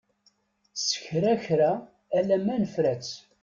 S kra kra alamma nefra-tt.